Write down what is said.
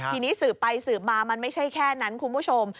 ทีนี้สืบไปสืบมามันไม่ใช่แค่นั้นคุณผู้ชม